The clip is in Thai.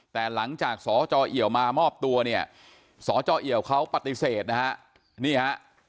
แต่หลังจากสจเอี่ยวมามอบตัวเนี่ยสจเอี่ยวเขาปฏิเสธนะฮะนี่ฮะ